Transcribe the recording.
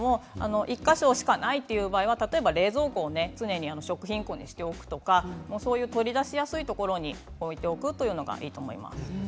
１か所しかないという場合は冷蔵庫を常に食品庫にしておくとか取り出しやすいところに置いておくのがいいと思います。